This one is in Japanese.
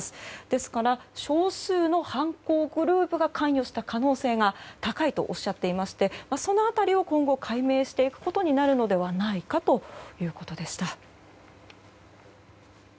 ですから、少数の犯行グループが関与した可能性が高いとおっしゃっていましてその辺りを今後、解明していくことになるのではということでした。